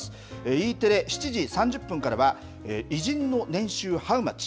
Ｅテレ、７時３０分からは、偉人の年収Ｈｏｗｍｕｃｈ？